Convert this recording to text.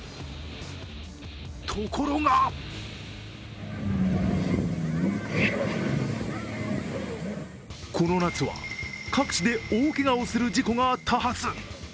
ところがこの夏は各地で大けがをする事故が多発。